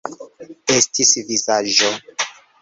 Estis vizaĝo.